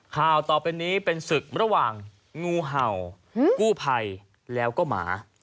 ข่าวต่อไปนี้เป็นศึกระหว่างงูเห่ากู้ภัยแล้วก็หมา